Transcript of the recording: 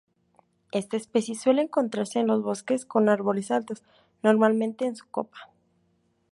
Esta especie suele encontrarse en los bosques con árboles altos, normalmente en su copa.